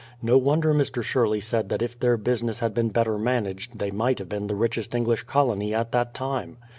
No wonder Mr. Sherley said that if their business had been better managed they might have been the richest English colony at that time.